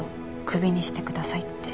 クビにしてくださいって。